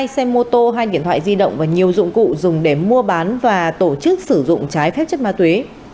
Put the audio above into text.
hai xe mô tô hai điện thoại di động và nhiều dụng cụ dùng để mua bán và tổ chức sử dụng trái phép chất ma túy